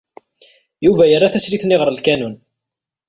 Yuba yerra tasilt-nni ɣer lkanun.